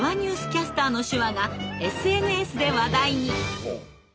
キャスターの手話がＳＮＳで話題に。